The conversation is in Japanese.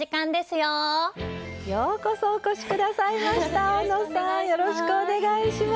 よろしくお願いします。